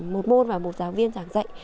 một môn và một giáo viên giảng dạy